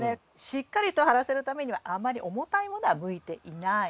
しっかりと張らせるためにはあまり重たいものは向いていない。